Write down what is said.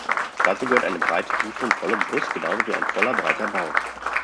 Dazu gehört eine breite tiefe und volle Brust genauso wie ein voller breiter Bauch.